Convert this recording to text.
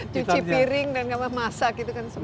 cuci piring dan masak itu kan semua